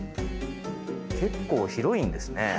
結構広いんですね。